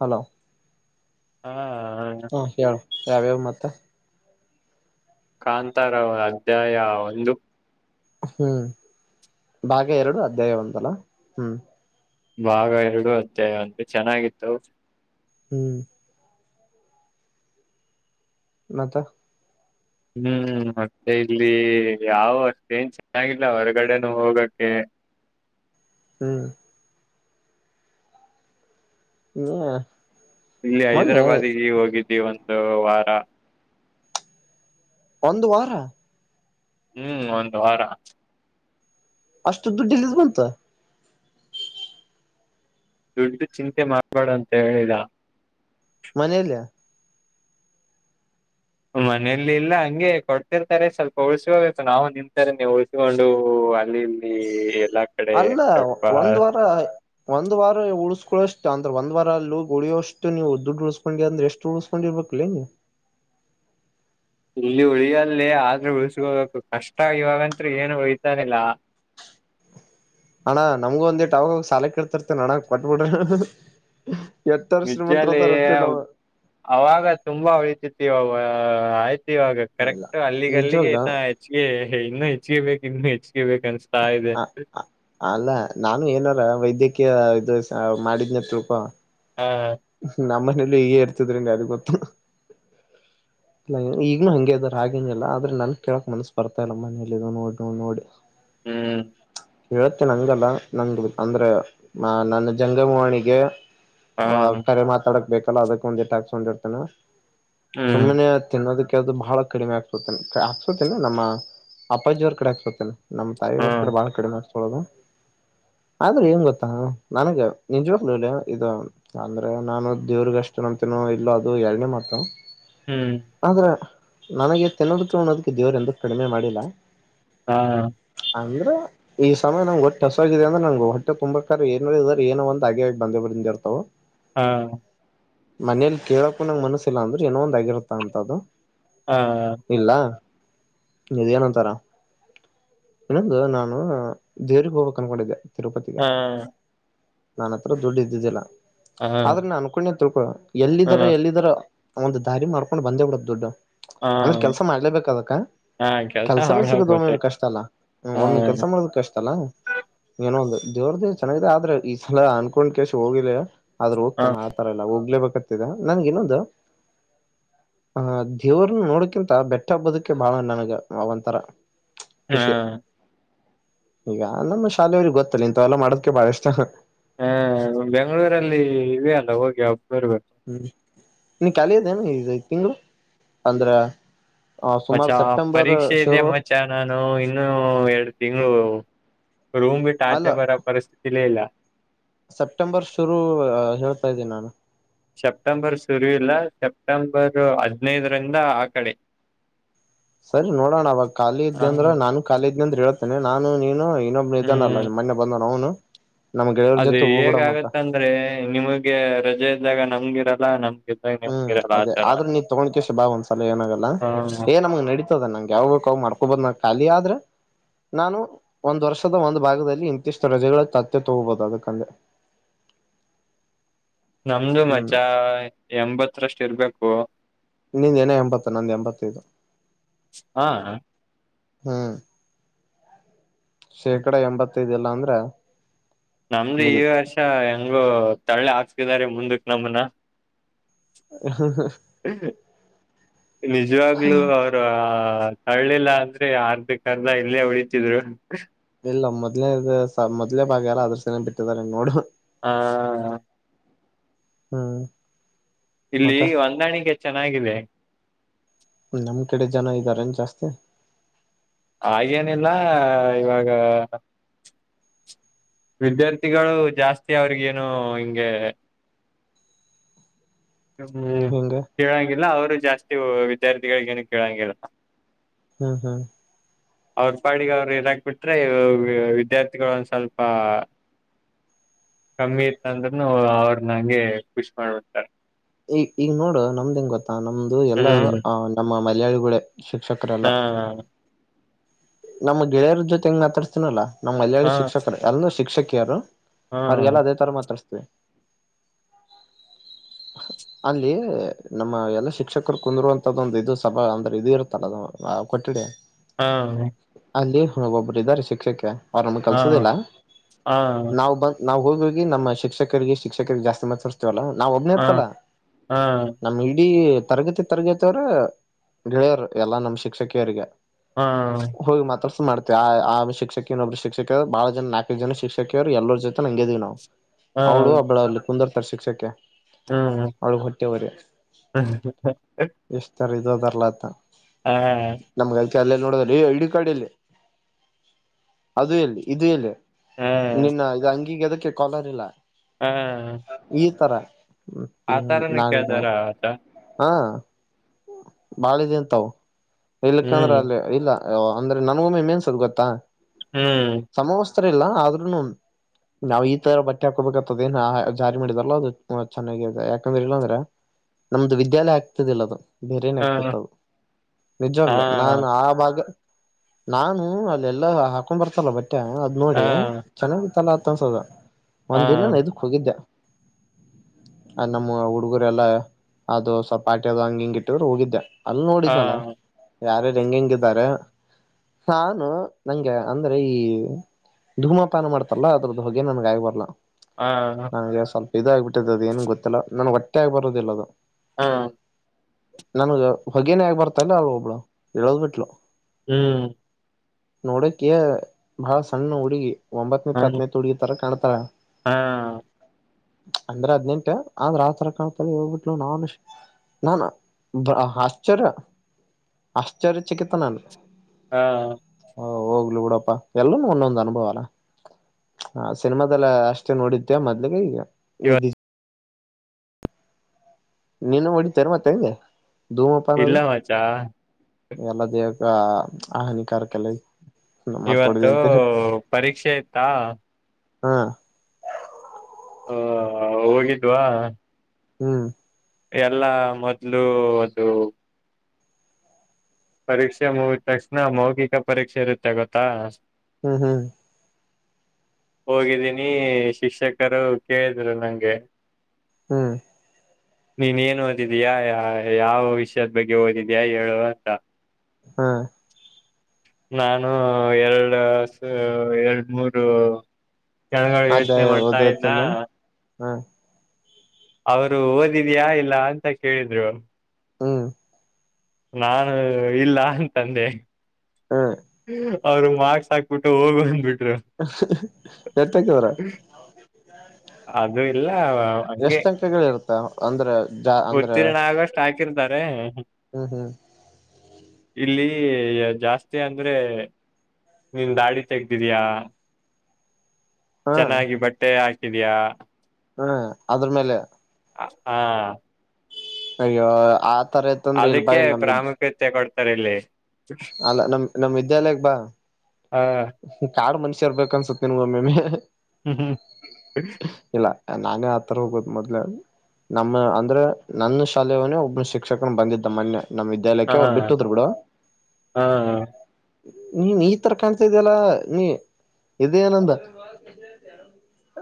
Hello ಹಾ ಹ ಹೇಳು ಯಾವ್ಯಾವ ಮತ್ತ ಕಾಂತಾರ ಅಧ್ಯಾಯ ಒಂದು ಹ್ಮ್ ಭಾಗ ಎರಡು ಅಧ್ಯಾಯವಂತಲ್ಲ ಹ್ಮ್ ಭಾಗ ಎರಡು ಅತ್ತೆ ಒಂದೆ ಚೆನ್ನಾಗಿತ್ತು ಹ್ಮ್ ಮತ ಹ್ಮ್ ಮತ್ತೆ ಇಲ್ಲಿ ಯಾವ ಅಷ್ಟೇನ್ ಚೆನ್ನಾಗಿಲ್ಲ ಹೊರಗಡೆನು ಹೋಗಕ್ಕೆ ಹ್ಮ್ [unintelligible] ಇಲ್ಲಿ ಮೊನ್ನೆ ಹೈದರಾಬಾದ್ಗೆ ಹೋಗಿದ್ದಿ ಒಂದು ವಾರ ಒಂದು ವಾರ ಹ್ಮ್ ಒಂದು ವಾರ ಅಷ್ಟು ದುಡ್ಡು ಇಲ್ಲಿದ ಬಂತು ದುಡ್ಡು ಚಿಂತೆ ಮಾಡ್ಬೇಡ ಅಂತ ಹೇಳಿದ ಮನೇೆಯಲ್ಲಿಯ ಮನೇಲಿ ಇಲ್ಲ ಹಂಗೆ ಕೊಡ್ತಿರ್ತಾರೆ ಸ್ವಲ್ಪ ಉಳ್ಸ್ಕೋಬೇಕು ನಾವು ನಿಂತಾರೆ ನೀವು ಉಳ್ಸಿಕೊಂಡು ಅಲ್ಲಿ ಇಲ್ಲಿ ಎಲ್ಲಾ ಕಡೆ ಅಲ್ಲ ಸ್ವಲ್ಪ ಒಂದ್ ವಾರ ಒಂದ್ ವಾರ ಉಳ್ಸ್ಕೊಷ್ಟು ಅಂದ್ರ ಒಂದ ವಾರ ಅಲ್ಲೂ ಗುಳಿಯಷ್ಟು ನೀವು ದುಡ್ಡು ಉಳ್ಸ್ಕೊಂಡಿ ಅಂದ್ರೆ ಎಷ್ಟು ಉಳ್ಕ ಎಷ್ಟು ಕೊಂಡಿರ್ಬೇಕ ನೆ [unintelligible] ಇಲ್ಲಿ ಉಳಿಯಲ್ಲಿ ಆದ್ರೂ ಉಳಿಸಕೋಬೇಕು ಕಷ್ಟ ಇವಾಗತ್ ಏನು ಉಳಿತಾನಿಲ್ಲ ಅಣ್ಣ ನಮ್ಗು ಒಂದ್ೇಟ್ ಅವಾಗಾಗ ಸಾಲ ಕೊಡ್ತಿರ್ತೆ ನಣಾಗ ಕೊಟ್ಬಿಡ್ರಿ ಎತ್ತರ ಶ್ರೀಮಂತತ್ರ ವಿಜ್ಜಾಲಿ ಅದ ಅಂತೆ ನಾವವು ಅವಾಗ ತುಂಬಾ ಉಳತಿತ ಆಯ್ತಿ ಇವಾಗ ಇಲ್ಲ ಕರೆಕ್ಟ್ ಅಲ್ಲಿಗೆ ಅಲ್ಲಿಗೆ ನಿಜವಾಗ್ಲ ಏನ ಆಯ್ ಹೆಚ್ಚ ಇನ್ನುೂ ಹೆಚ್ಚಿಗೆ ಬೇಕು ಇನ್ನುೂ ಹೆಚ್ಚಿಗೆ ಬೇಕ ಅನ್ ಹ ಹ ಅಲ್ಲ ನಾನು ಏನಾರ ವೈದ್ಯಕೀಯ ಇದು ಮಾಡಿದ್ನತಿಳ್ಕೊ ಹಾ ನಮ್ಮ್ನೇಲಿ ಈಗ ಇರ್ತಿದ್ರೀನು ಯಾರಿಗೆ ಗೊತ್ತು. ಇಲ್ಲ ಈಗನು ಹಂಗೆ ಇದಾರೆ ಹಾಗೇನಿಲ್ಲ ಆದ್ರೆ ನನ್ ಕೇಳಕ್ ಮನಸ್ ಬರ್ತಾ ಇಲ್ಲ ಮನೇಲಿ ನೋಡಿ ನೋಡಿ. ಹ್ಮ್ ಹೇಳ್ತೀನಿ ಹಂಗಲ್ಲ ನಂಗ ಅಂದ್ರೆ ನನ್ನ ಜಂಗಮವಣಿಗೆ. ಹ ಕರೆ ಮಾತಾಡಕ್ ಬೇಕಲ್ಲ ಅದಕ್ಕೆ ಒಂದಿಟ್ಟ ಹಾಕ್ಸ್ದಿರ್ತೇನ ಹ್ಮ್ ಸುಮ್ಮನೆ ತಿನ್ನೋದಕ್ಕೆದು ಬಹಳ ಕಡಿಮೆ ಆಗ್ಸುತ್ತೇ ಹಾಕ್ಸೋತೇನ ನಮ್ಮ ಅಪಾಜಿಯವರ ಕಡೆ ಹಾಕ್ಸುತ್ತೇನೆ. ನಮ್ಮ್ ತಾಯಿ ಹ ಅವ್ರ ಕಡೆ ಬಾಳ ಕಡಿಮೆ ಆಕಿಸ್ಕೊಳೋದು. ಆದ್ರೆ ಏನ್ ಗೊತ್ತಾ ನನಗೆ ನಿಜ್ವಾಗ್ಲೂಲೇ ಇದು ಅಂದ್ರೆ ನಾನು ದೇವ್ರಗ ಅಷ್ಟ ನಂಬತೀನೋ ಇಲ್ಲೋ ಅದು ಎರಡನೇ ಮಾತು. ಹ್ಮ್ ಆದ್ರ ನನಗೆ ತಿನ್ನೋದಕ್ಕೆ ಅನ್ನೋದಕ್ಕೆ ದೇವರು ಎಂದ ಕಡಿಮೆ ಮಾಡಿಲ್ಲ. ಹಾ ಹ ಅಂದ್ರೆ ಈ ಸಮಯ ನಂಗ್ಗೆ ಹೊಟ್ಟೆಸಿದೆ ಅಂದ್ರೆ ನಂಗ್ ಹೊಟ್ಟೆ ತುಂಬಾಕ್ಕೆ ಇದಾರೆ ಏನೋ ಒಂದು ಹಾಗೆ ಬಂದೆ ಇರ್ತವು. ಹಾ ಮನೇಲಿ ಕೇಳೋಕೂ ನಂಗ್ ಮನಸಿಲ್ಲಲ್ಲ ಅಂದ್ರೆಏನೋ ಒಂದ್ಗಿರುತ್ತ ಅಂತ ಅದು. ಹಾ ಹಾ ಇಲ್ಲ ಇದು ಏನೋತರ ಇನ್ನಂದು ನಾನು. ದೇವರಿಗೆ ಹೋಗಬೇಕು ಅನ್ಕೊಂಡಿದ್ದೆ ತಿರುಪತಿಗೆ. ಹ ನಾನ ಹತ್ರ ದುಡ್ಡು ಇದ್ದಿದ್ದಿಲ್ಲ ಹ ಆದ್ರೆನಾ ಅನ್ಕೊಂಡೆ ತಿಳ್ಕೊ ಎಲ್ಲಿದ್ದರ ಹ ಎಲ್ಲಿದರ. ಒಂದು ದಾರಿ ಮಾಡ್ಕೊಂಡು ಬಂದೆಬಿಡ್ತು ದುಡ್ಡು. ಹ ಅಂದ್ರೆ ಕೆಲ್ಸ ಮಾಡ್ಲೇಬೇಕ ಅದಕ್ಕ ಹಾ ಕೆಲ್ಸ ಕೆಲ್ಸನೂ ಸಿಗುದ ಮಾಡಾಗುತ್ತೆ ಒಮ್ಮ್ರ ಕಷ್ಟ ಅಲ್ಲ ಹ ಒಮ್ಮಿ ಕೆಲ್ಸ. ಕಷ್ಟ ಅಲ್ಲ ಏನೊ ಒಂದು ದೇವ್ರ ದೇವ ಚೆನ್ನಾಗಿದೆ ಆದ್ರೆ ಈ ಸಲ ಅನ್ಕೊಂಡ್ ಕೆಸ ಹೋಗಿಲ್ಲ. ಆದ್ರೂ ಹ ಹೋಗ್ತೇನ ಆತರ ಎಲ್ಲ ಹೋಗ್ಲೇಬೇಕತದ ನನ್ಗೆ ಇನ್ನೊಂದು. ಹ ದೇವ್ರನ್ನ ನೋಡಕಿಂತ ಬೆಟ್ಟ ಹಬ್ಬದಕ್ಕೆ ಬಾಳ ನನಗ ಒಂತರ. ಹಾಂ ಈಗ ನಮ್ಮ ಶಾಲೆಯವ್ರರಿಗೆ ಗೊತ್ತಲ್ಲ ಇಂತಥವೆಲ್ಲಾ ಮಾಡೋದೆ ಬಾಳ ಇಷ್ಟ. ಹಾ ಬೆಂಗಳೂರಲ್ಲಿ ಇದೆ ಅಲ್ಲ ಹೋಗಿ ಬರಬೇಕು. ಹ್ಮ್ ನಿಮ್ಮ ಖಾಲಿಯಿದೆನು ಈ ತಿಂಗಗಳು ಅಂದ್ರ. ಹಾ ಸುಮಾರು ಮಚ್ಚಾ ಸೆಪ್ಟೆಂಬರ್ ಪರೀಕ್ಷೆ ಇದೆ ಶುರು. ಮಚ್ಚಾ ನಾನು ಇನ್ನು ಎರಡು ತಿಂಗಳು ರೂಮ್ ಬಿಟ್ಟ ಅಲ್ಲ ಆಚೆ ಬರ. ಪರಿಸ್ಥಿತಿ ಅಲ್ಲೇ ಇಲ್ಲ. ಸೆಪ್ಟೆಂಬರ್ ಶುರು ಹೇಳ್ತಾ ಇದ್ದೀನಿ ನಾನು. ಸೆಪ್ಟೆಂಬರ್ ಶುರು ಇಲ್ಲ ಸೆಪ್ಟೆಂಬರ್ ಹದ್ನೈದರಿಂದ ಆ ಕಡೆ. ಸರಿ ನೋಡೋಣ ಅವಾಗ ಖಾಲಿಇದ್ ಹ ಅಂದ್ರೆ ನಾನು ಖಾಲಿ ಇದ್ದೆ ಅಂದ್ರೆ ಹೇಳ್ತೇನೆ ನಾನು ನೀನು ಇನ್ನೊಬ ಇದಾನಲ್ಲ ಹ್ಮ್ ನಿಮ್ ಮೊನೆೆ ಬಂದನ್ನು ನಮ್ಗೆಯವ್ರ ಅದು ಜೊತೆ ಹೋಗ್ ಬಿಡ ಮತ್ತ ಹೇಗಾಗತ್ತ ಅಂದ್ರೆ ನಿಮಗೆ ರಜೆ ಇದ್ದಾಗ ನಮ್ಗಿ ಇರಲ್ಲ ನಮಗ್ಗೆ. ಹ್ಮ್ ಅದೇ ಆದ್ರೆ ನೀ ತಕೊಂಡು ಬಾ ಒಂದ್ಸಲ ಏನಾಗಲ್ಲ ಹ ಏ ನಮ್ಮ ನೆಡಿ. ನೆಡಿತಾದ್ದೆ ನಂಗೆ ಯಾವಗ ಬೇಕು ಅವಾಗ ಮಾಡ್ಕೋಬಹುದು ಖಾಲಿ ಆದ್ರೆ. ನಾನು ಒಂದ್ ವರ್ಷದ ಒಂದು ಭಾಗದಲ್ಲಿ ಇಂತಿಷ್ಟು ರಜೆಗಳ ತತ್ತೆ ತಗೋಬಹುದು ಅದಕ್ಕಂದೆ. ನಮ್ದು ಹ್ಮ್ ಮಚ್ಚ ಎಂಬತ್ತರಷ್ಟ ಇರ್ಬೇಕು. ನಿಂದ ಏನ ಎಂಬತ್ತು ನಂದು ಎಂಬತ್ತೈದು. ಹಾ ಹ್ಮ್ ಶೇಕಡ ಎಂಬತ್ತೈದು ಇಲ್ಲಾಂದ್ರೆ. ನಮ್ದು ಈ ವರ್ಷ ಹೆಂಗು ತಳ್ಳಿ ಹಾಕ್ಕಿದಾರಿ ಮುಂದಕ್ ನಮ್ಮನ. ನಿಜವಾಗ್ಲೂ ಅವ ಅ ತಳ್ಳಿಲ್ಲ ಅಂದ್ರೆ ಅರ್ಧಕ್ಕ ಅರ್ಧ ಇಲ್ಲೇ ಉಳಿತಿದ್ರು. ಇಲ್ಲ ಮೊದ್ಲೆದ ಸಾ ಮೊದ್ಲೆ ಭಾಗ ಅದರ್ ಸಲೇಕ್ ಬಿಟ್ಟಿದ್ದಾರ ಏನ್ ನೋಡು. ಹಾ ಹ್ಮ ಇಲ್ಲಿ ಹೊಂದಾಣಿಕೆ ಚೆನ್ನಾಗಿದೆ. ನಮ್ ಕಡೆ ಜನ ಇದ್ದಾರ ಏನ್ ಜಾಸ್ತಿ. ಹಾಗೆನಿಲ್ಲ ಇವಾಗ ವಿದ್ಯಾರ್ಥಿಗಳು ಜಾಸ್ತಿ ಅವ್ರಿಗ ಏನು ಹಿಂಗೆ ಹ್ಮ ಹಿಂಗ ಕೇಳಂಗಿಲ್ಲ ಅವರು ಜಾಸ್ತಿ ವಿದ್ಯಾರ್ಥಿಗಳಿಗ್ ಏನು ಕೇಳಂಗಿಲ್ಲ. ಹ್ಮ್ ಹ್ಮ್ ಅವ್ರ ಪಾಡಿಗ ಅವ್ರ ಇರಾಕ್ಬಿಟ್ರೆ ವ ವ ವ ವಿದ್ಯಾರ್ಥಿಗಳ ಒಂದ ಸ್ವಲ್ಪ ಕಮ್ಮಿ ಇತ್ತ ಅಂದ್ರನು ಅವ್ರ ನಂಗೆ ಖುಷ ಮಾಡ್ಬಿಡ್ತಾರೆ. ಈ ಈಗ ನೋಡು ನಮ್ದಹೇಂಗ ಗೊತ್ತಾ ನಮ್ದು ಎಲ್ಲಾ ಹ್ಮ್ ಅ ನಮ್ಮ ಮಲಯಾಳಿಗಳ ಶಿಕ್ಷಕರೆಲ್ಲಾ. ಹಾ ನಮ್ ಗೆಳೆಯರ ಜೊತೆ ಹೆಂಗ್ ಮಾತಾಡ್ಸ್ತೀನಲ್ಲ ನಮ್ಮ್ ಮಲಯಾಳಿ ಹಾ ಶಿಕ್ಷಕರು ಎಲ್ಲ ಶಿಕ್ಷಕಿಯರು ಹಾ ಅವ್ರಿಗೆಲ್ಲ ಅದೇ ತರ ಮಾತಾಡ್ಸ್ತೆವ. ಅಲ್ಲಿ ನಮ್ಮ ಎಲ್ಲ ಶಿಕ್ಷಕರು ಕುಂದರುವಂತದ್ದ ಒಂದು ಇದು ಸಭಾ ಅಂದ್ರೆ ಇದು ಇರುತ್ತಲ್ಲ ಆ ಕೊಠಡಿ ಹಾ ಅಲ್ಲಿ ಹ ಒಬ್ರ ಇದ್ದಾರೆ ಶಿಕ್ಷಕಿ ಅವರ ನಮಗ್ ಹಾ ಕಲ್ಸುದಿಲ್ಲ ಹಾ ನಾವ ಬಂದ ನಾವ್ ಹೋಗೋಗಿ ನಮ್ಮ ಶಿಕ್ಷಕರಿಗೆ ಶಿಕ್ಷಕರಿಗೆ ಜಾಸ್ತಿ ಮಾತ್ ಆಡಸ್ತೇವ್ಲಾ ನಾ ಒಬ್ಬನೇ ಹಾ ಅಂತ್ ಅಲ್ಲಾ. ಹಾ ನಮ್ ಇಡೀ ತರಗತಿ ತರಗತಿಯವ್ರ ಗೆಳೆಯರು ಎಲ್ಲಾ ನಮ್ಮ್ ಶಿಕ್ಷಕಿಯರಿಗೆ. ಹಾ ಹೋಗಿ ಮಾತಾಡ್ಸ ಮಾಡ್ತಿ ಆ ಆ ಶಿಕ್ಷಕಿನೋಬ ಶಿಕ್ಷಕಿ ಬಾಳ ಜನ ನಾಲ್ಕ ಐದ ಜನ ಶಿಕ್ಷಕಿಯರು ಎಲ್ಲೋರ ಜೊತೆನೂ ಹಂಗ್ ಇದೀವಿ ನಾವ್. ಹಾ ಅವಳು ಒಬ್ಬಳಲ್ಲಿ ಕುಂದರ್ತಾಳ್ ಶಿಕ್ಷಕಿ ಅವಳೀಗ ಹೊಟ್ಟೆ ಉರೆ ಹ್ಮ್ ಎಷ್ಟರ ಇದು ಅದಾರ್ಲಾ ಅಂತ್. ಹಾ ನಮ್ಗ ಅದ್ಕೆ ಅಲ್ಲೆ ನೋಡದ್ರ ಏ ಐಡಿ ಕಾರ್ಡ್ ಎಲ್ಲಿ ಅದು ಎಲ್ಲಿ ಇದು ಎಲ್ಲಿ ಹಾ ನಿನ್ನ ಇದ ಅಂಗೀಗ ಎದಕ್ಕ ಕಾಲರ್ ಇಲ್ಲ? ಹಾ ಈತರ ಹಂ ಆತರನು [unintelligible] ಕೇಳ್ತಾರ ಆತ ಹಾ ಬಾಳಿದೇ ಅಂತವು ಹ್ಮ್ ಇಲ್ಕಂದ್ರ ಅಲ್ಲಿ ಇಲ್ಲ. ಅಂದ್ರೆ ನನಗೊಮ್ಮೆ ಏನ್ ಅನ್ಸೋದ್ ಗೊತ್ತಾ? ಹ್ಮ್ ಸಮವಸ್ತ್ರ ಇಲ್ಲ ಆದ್ರೂನು ನಾವ ಈ ತರ ಬಟ್ಟೆ ಹಾಕೋಬೇಕತ್ತ ಅದೇನ್ ಜಾರಿ ಮಾಡಿದಾರಲ್ಲ ಅದು ಚೆನ್ನಾಗಿದೆ ಯಾಕಂದ್ರೆ ಇಲ್ಲಾಂದ್ರೆ ನಮ್ದು ವಿದ್ಯಾಲಯ ಆಗ್ತಿದಿಲ್ಲ ಅದು ಬೇರೆನ ಹಾ ಆಗ್ತಿತ್ತ ಅದು ಹಾ ನಿಜವಾಗ್ಲು ನಾನು ಆ ಭಾಗ ನಾನು ಅಲ್ಲೆಲ್ಲಾ ಹಾಕೊಂಡ್ ಬರ್ತಲ್ಲ ಬಟ್ಟೆ ಅದ್ ನೋಡಿ ಹಾ ಚೆನ್ನಾಗಿತ್ತಲ್ಲ ಅತ್ತ ಅನ್ಸದ ಒಂದ ಹಾ ದಿನ ನಾ ಇದಕ್ ಹೋಗಿದ್ದೆ. ಅ ನಮ್ಮ್ ಹುಡುಗುರೆಲ್ಲಾ ಅದು ಸ್ವಲ್ಪ ಆಟಿದು ಹಂಗ ಹಿಂಗ ಹೋಗಿದ್ದೆ ಅಲ್ಲಿ ಹಾ ನೋಡಿದ್ನಲ್ಲ ಯಾರ್ಯಾರು ಹೆಂಗ ಹೆಂಗ ಇದಾರೆ? ನಾನು ನಂಗೆ ಅಂದ್ರೆ ಈ ಧೂಮಪಾನ ಮಾಡ್ತಾರಲ್ಲ ಅದರ್ದ್ ಹೊಗೆ ನನ್ಗ ಆಗಬಾರಲ್ಲ. ಹಾ ಹಾ ಹಾ ನಂಗೆ ಸ್ವಲ್ಪ ಇದು ಆಗ್ಬಿಟ್ಟಿದೆ ಅದ ಏನ್ ಗೊತ್ತಿಲ್ಲ ನನಗೆ ಒಟ್ಟೆ ಆಗ್ ಬರೋದಿಲ್ಲ ಅದು. ಹಾ ನನ್ಗ ಹೊಗೆನೆ ಹಾಗಿ ಬರ್ತಾ ಇಲ್ಲ ಅ ಒಬ್ಳು ಹೇಳೋದ್ ಬಿಟ್ಲು. ಹ್ಮ್ ನೋಡಕಿಯ ಬಾಳ್ ಸಣ್ಣ ಹುಡುಗಿ.. ಒಂಬತ್ತನೇ ಹಾ ತರಗತಿ ಹುಡುಗೀತಾರ ಕಾಣತ್ತಾಳೆ. ಹಾ ಅಂದ್ರೆ ಹದ್ನೆಂಟ ಆದ್ರ ಆತರ ಕಾಣತಾಳ್ ಹೋಗ್ಬಿಟ್ಲು ನಾನು ನಾನ್ ಹಾ ಆಶ್ಚರ್ಯ ಆಶ್ಚರ್ಯಚಿಕಿತ್ತ ನಾನು. ಹಾ ಹಾ ಹೋಗ್ಲಿ ಬಿಡಪ್ಪಾ ಎಲ್ಲಾ ಒಂದೊಂದ್ ಅನುಭವ ಅಲ್ವಾ. ಹಾ ಸಿನಿಮಾದಲ್ಲ ಅಷ್ಟೇ ನೋಡಿದೇವ ಮೊದ್ಲಿಗೆ ಈಗ ಇವತ್ ನಿನ್ನ ಹೊಡಿತಾರೆ ಮತ್ತೆ ಧೂಮಪಾನ ಇಲ್ಲ ಅದು. ಮಚ್ಚಾ ಎಲ್ಲ ದೇಹಕ್ಕ ಹಾನಿಕಾರಕಲ್ಲ. ಮತ್ ಹೊಡದಿ ಇವತ್ತು ಅಂತೇನೆ ಪರೀಕ್ಷೆ ಇತ್ತ ಹಾ. ಹಾ ಹಾ ಹೋಗಿದ್ವಾ. ಹ್ಮ್ ಎಲ್ಲಾ ಮೊದ್ಲು ಅದು. ಪರೀಕ್ಷೆ ಮುಗಿದ್ ತಕ್ಷಣ ಮೌಖಿಕ ಪರೀಕ್ಷೆ ಇರುತ್ತೆ ಗೊತ್ತಾ.. ಹ್ಮ್ ಹ್ಮ್ ಹೋಗಿದ್ದೀನಿ ಶಿಕ್ಷಕರು ಕೇಳಿದ್ರು ನಂಗೆ. ಹ್ಮ್ ನೀನ್ ಏನ್ ಓದಿದಿಯ ಯಾವ ವಿಷಯದ ಬಗ್ಗೆ ಓದಿದ್ಯಾಯಾ ಹೇಳುವ ಅಂತಾ. ಹ್ಮ್ ನಾನು ಎರಡು ಎರಡು ಮೂರು. ಕೆಳಗ ಯೋಚನೆ ಮಾಡ್ತಾ ಇದ್ನ. ಹಾ ಅವರು ಓದಿದಿಯಾ ಇಲ್ಲ ಅಂತಾ ಕೇಳಿದ್ರು. ಹ್ಮ್ ನಾನು ಇಲ್ಲ ಅಂತಂದೆ. ಹ್ಮ್ ಅವರು ಮಾರ್ಕ್ಸ್ ಹಾಕ್ಬಿಟ್ಟು ಹೋಗು ಅಂದುಬಿಟ್ರು. ಎಷ್ಟಕಿದ್ರ ಅದು ಇಲ್ಲ ಹಂಗೆ ಎಷ್ಟ್. ಇರ್ತಾ ಅಂದ್ರೆ ಜಾ ಅಂದ್ರ. ಉತ್ತೀರ್ಣ ಆಗಷ್ಟು ಹಾಕಿರ್ತಾರೆ. ಹ್ಮ್ ಹ್ಮ್ ಇಲ್ಲಿ ಜಾಸ್ತಿ ಅಂದ್ರೆ. ನಿನ್ ದಾಡಿ ತೆೆಗೆದಿದಯ ಹಾ ಚೆನ್ನಾಗಿ ಬಟ್ಟೆ ಹಾಕಿದಿಯಾ. ಹ್ಮ್ ಅದ್ರ ಮೇಲೆ. ಹಾ ಅಯ್ಯೋ ಆತರ. ಇತ್ತಂದ್ರೆ ಇಲ್ ಬಾ ಅದಕ್ಕೆ ಇಲ್ ನಮ್ ಪ್ರಾಮುಖ್ಯತೆ ಕೊಡ್ತಾರೆ ಇಲ್ಲಿ. ಅಲ್ಲ ನಮ್ಮ ನಮ್ಮ ವಿದ್ಯಾಲಯಕ್ಕೆ ಬಾ. ಹಾ ಕಾಡುಮನುಷ್ಯರ್ ಇರಬೇಕು ಅನ್ಸತ್ತೆ ನೀ ಒಮ್ಮೆಮ್ಮೆ. ಹ್ಮ್ ಹ್ಮ್. ಇಲ್ಲ ನಾನೇ ಆತರ ಹೋಗೋದು ಮೊದ್ಲೆ. ನಮ್ಮ ಅಂದ್ರೆ ನನ್ನ ಶಾಲೆಯವನೇ ಒಬ್ನ ಶಿಕ್ಷಕನು ಬಂದಿದ್ದ ಮೊನ್ನೆ ನಮ್ಮ. ಹಾ ದಲಕ್ಕೆ ಅವರು ಬಿಟ್ಟದ್ರು ಕೂಡಾ ಹಾ ಹಾ ನೀ ಈ ತರ ಕಾಣ್ತಿದ್ಯಲ್ಲ ನೀ ಇದೇನಂದ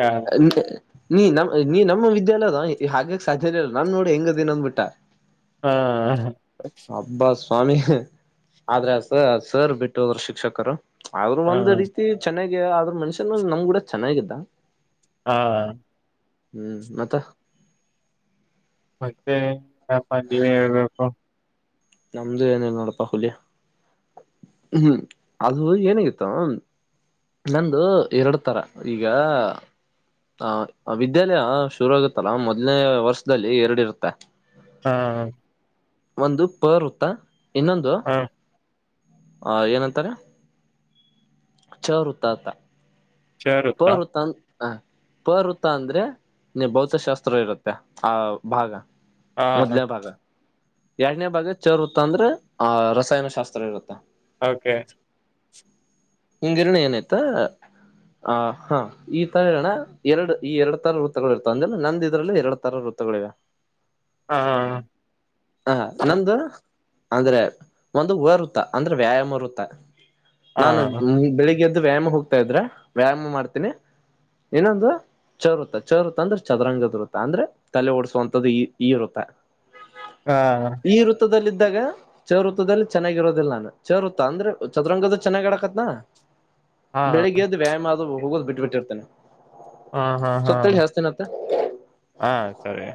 ಹಾ ನಿ [inaudible] ನೀ ನಮ್ಮ್ ನೀ ನಮ್ಮ ವಿದ್ಯಾಲಯದ ಹಾಗಕ್ ಸಾಧ್ಯನ ಇಲ್ಲ ನಾನ್ ನೋಡಿ ಹೆಂಗದೇನ ಅಂದ್ಬಿಟ್ಟಾ ಹಾ ಅಬ್ಬಾ ಸ್ವಾಮಿ ಆದ್ರೆ ಸ ಸರ್ ಬಿಟ್ಟು ಹೋದರು ಶಿಕ್ಷಕರು ಆದ್ರರು ಹಾ ಒಂದ್ ರೀತಿ ಚೆನ್ನಾಗೀ ಆದದ್ರ ಮನ್ಷ್ಯನ್ ನಮ್ ಕೂಡ ಚೆನ್ನಾಗಿ ಇಲ್ಲ ಹಾ ಹ್ಮ್ ಮತ್ತ ಮತ್ತೆ ಯಪ್ಪ ನೀವೇ ಹೇಳ್ಬೇಕು? ನಮ್ದು ಏನೇ ನೋಡಪ್ಪಾ ಹುಲಿ. ಹ್ಮ್ ಅದು ಏನಾಗಿತ್ತ ನಂದು ಎರಡು ತರ. ಈಗ.. ಆ ವಿದ್ಯಾಲಯ ಶುರುಗುತ್ತಲ್ಲ ಮೊದ್ನೇ ವರ್ಷದಲ್ಲಿ ಎರಡು ಇರುತ್ತೆ. ಹಾ.. ಹಾ.. ಒಂದು ಪರ್ ವೃತ್ತ. ಇನ್ನೊಂದು? ಹಾ ಆ ಏನಂತಾರೆ ಚರು ವೃತ ಅಂತ ಶೇರುತ್ತಾ ಪರ್ ವೃತ್ತ ಹ ಪವೃತ್ತ ಅಂದ್ರೆ ನೀ ಭೌತಶಾಸ್ತ್ರ ಇರುತ್ತೆ ಆ ಭಾಗ ಹಾ ಮೊದ್ಲೇ ಭಾಗ ಎರಡನೇ ಭಾಗ ಚರ್ ವೃತ್ತ ಅಂದ್ರೆ ಆ ರಸಾಯನಶಾಸ್ತ್ರ ಇರುತ್ತೆ ಆ ಓಕೆ ನಿ ಗಿರಣಿ ಏನಾಯ್ತಾ [unintelligible] ಹ [inaudible] ಆ ಹಾ ಈ ತರಣ ಎರಡು ಈ ಎರಡ್ ತರ ವೃತ್ತಗಳು ಇರ್ತ ಅಂದ್ರ ನಂದ ಇದ್ರಲ್ಲಿ ಎರಡ್ ತರ ವೃತ್ತಗಳಿವೆ. ಹ [inaudible] ಹಾ.. ಹಾ.. ಹಾ.. ಹಾ ಹಾ.. ನಂದು ಅಂದ್ರೆ ಒಂದು ವ ವೃತ್ತ ಅಂದ್ರೆ ವ್ಯಾಯಾಮ ವೃತ್ತ ಹಾ ನಾನು ಬೆಳಿಗ್ಗೆ ಎದ್ದು ವ್ಯಾಯಾಮಕ್ ಹೋಗ್ತಾ ಇದ್ರೆ ವ್ಯಾಯಾಮ ಮಾಡ್ತೀನಿ ಇನ್ನೊಂದು ಚ ವೃತ್ತ ಚ ವೃತ್ತ ಅಂದ್ರೆ ಚದರಂಗದರುತ್ತ ಅಂದ್ರೆ ತಲೆ ಓಡಸುವಂತದ್ದು ಈ ವೃತ್ತ ಹಾ.. ಈ ವೃತ್ತದಲ್ಲಿದ್ದಾಗ ಚ ವೃತ್ತದಲ್ಲಿ ಚೆನ್ನಾಗಿರೋದಿಲ್ಲ ನಾನು ಚ ವೃತ್ತ ಅಂದ್ರೆ ಚದರಂಗದ ಚೆನ್ನ್ ಆಡಕತ್ನಾ ಬೆಳಿಗ್ಗೆ ಎದ್ದು ವ್ಯಾಯಾಮ ಆದ ಹೋಗೋದು ಬಿಟ್ಟಬಿಟ್ಟಿರ್ತೇನೆ ಹಾ ಹಾ ಹಾ ಸ್ವಲ್ಪ್ ತಡಿ ಹಸ್ತೇನತ್ತ ಹಾ ಸರಿ